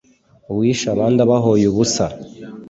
uwishe abandi abahoye ubusa